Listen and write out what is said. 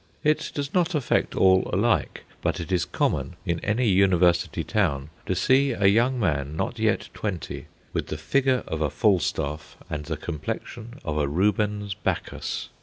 It does not affect all alike, but it is common in any University town to see a young man not yet twenty with the figure of a Falstaff and the complexion of a Rubens Bacchus.